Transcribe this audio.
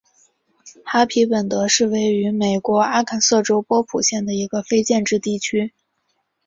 哈皮本德是位于美国阿肯色州波普县的一个非建制地区。